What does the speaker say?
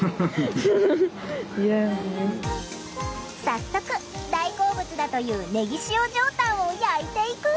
早速大好物だというねぎ塩上タンを焼いていく！